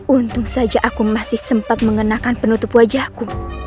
untung saja aku masih sempat mengenakan penutup wajahku